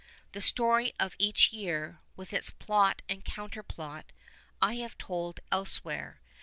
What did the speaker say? The story of each year, with its plot and counterplot, I have told elsewhere.